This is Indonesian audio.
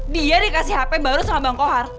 dia dikasih hp baru sama bank or